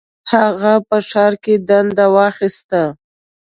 هغه په ښار کې دنده واخیسته.